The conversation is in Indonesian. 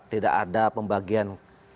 tidak ada pembagian